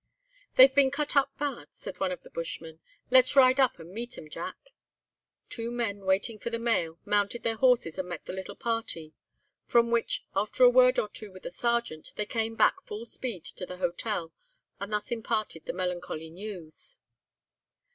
"'They've been cut up bad,' said one of the bushmen. 'Let's ride up and meet 'em, Jack!' Two men waiting for the mail mounted their horses, and met the little party; from which, after a word or two with the Sergeant, they came back full speed to the hotel, and thus imparted the melancholy news.